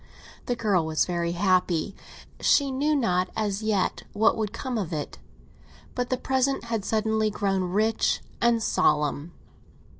The girl was very happy. She knew not as yet what would come of it; but the present had suddenly grown rich and solemn.